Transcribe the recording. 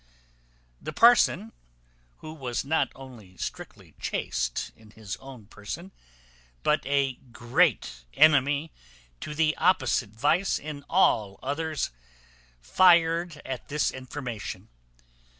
The parson, who was not only strictly chaste in his own person, but a great enemy to the opposite vice in all others, fired at this information.